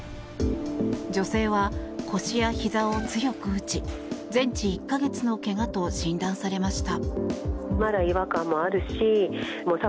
女性は腰やひざを強く打ち全治１か月のけがと診断されました。